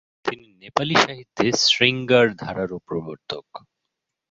তিনি নেপালি সাহিত্যে শৃঙ্গার ধারারও প্রবর্তক।